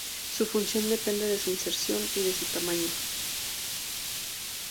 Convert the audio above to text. Su función depende de su inserción y de su tamaño.